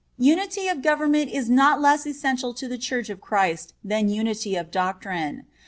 Unity of government is not less essential to the Church of Christ than unity of doctrine.